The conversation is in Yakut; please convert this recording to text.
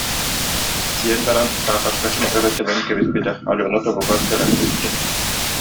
диэн баран таапачкатын өрө тэбэн кэбиспитэ Алена тобугар кэлэн түстэ